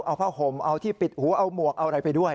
เอาผ้าห่มเอาที่ปิดหูเอาหมวกเอาอะไรไปด้วย